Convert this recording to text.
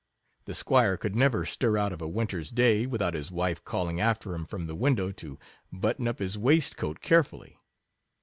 The 'Squire could never stir out of a winter's day, without his wife calling after him from the window to button up his waistcoat care fully.